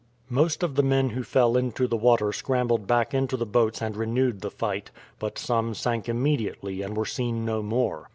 Most of the men who fell into the water scrambled back into the boats and renewed the fight, but some sank immediately and were seen no more.